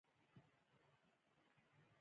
زه د وطن د کتاب یوه پاڼه یم